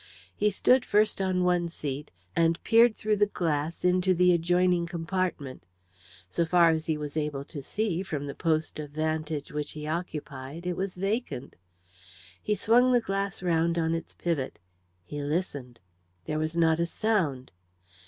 He stood, first on one seat, and peered through the glass into the adjoining compartment. So far as he was able to see, from the post of vantage which he occupied, it was vacant. He swung the glass round on its pivot. He listened. There was not a sound.